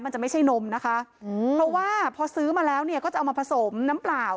มันจะไม่ใช่นมนะคะอืมเพราะว่าพอซื้อมาแล้วเนี่ยก็จะเอามาผสมน้ำเปล่า